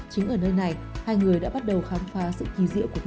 chính ở nơi này hai người đã bắt đầu khám phá sự kỳ diệu của kỹ thuật